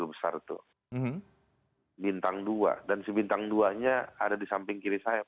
baik ini artinya pernyataan freddy budiman mengatakan bahwa dalam peradilan narkoba